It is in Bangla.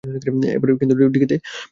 এবার কিন্তু ডিকিতে বসবো না।